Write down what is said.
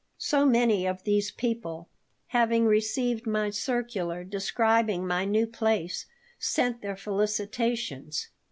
So, many of these people, having received my circular describing my new place, sent their felicitations.